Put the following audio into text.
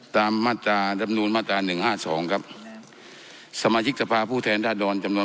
มาตราดำนูลมาตราหนึ่งห้าสองครับสมาชิกสภาผู้แทนราษดรจำนวน